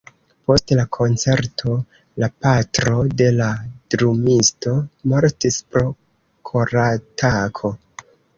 Post la koncerto, la patro de la drumisto mortis pro koratako.